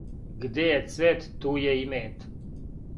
Где је цвет, ту је и мед.